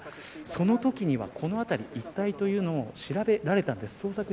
そのときには、この辺り一帯というのを調べられたんです。